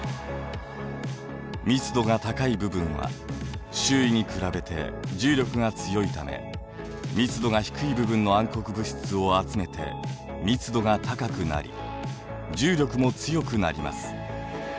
密度が高い部分は周囲に比べて重力が強いため密度が低い部分の暗黒物質を集めて密度が高くなり重力も強くなります。